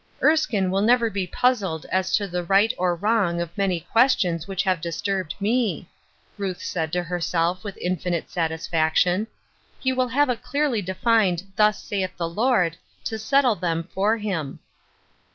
" Erskine will never be puzzled as to the right or wrong of many questions which have disturbed me," Ruth said to herself with infinite satisfaction. " He will have a clearly de fined 'thus saith the Lord,' to settle them for him."